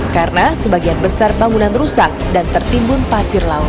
karena sebagian besar bangunan rusak dan tertimbun pasir laut